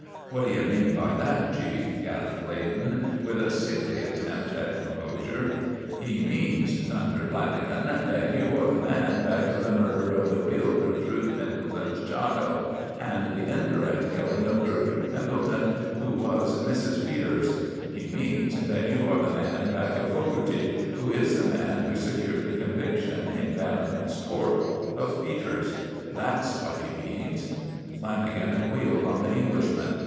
"What do you mean by that, Chief?" gasped Leighton, with a sickly attempt at composure. "He means," thundered Lanagan, "that you are the man back of the murder of the real Gertrude Pendelton's child, and the indirect killing of Gertrude Pendelton, who was Mrs. Peters! He means that you are the man back of Fogarty, who is the man who secured the conviction, in Bannerman's court, of Peters. That's what he means!" Lanagan wheeled on the Englishman.